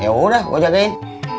ya udah gue jagain